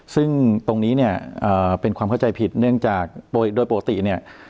ซึ่งตรงนี้เนี่ยเป็นความเข้าใจผิดเนื่องจากโดยปกติเนี่ย